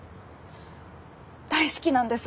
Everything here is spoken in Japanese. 大好きなんです